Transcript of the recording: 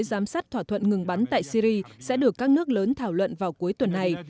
giám sát thỏa thuận ngừng bắn tại syri sẽ được các nước lớn thảo luận vào cuối tuần này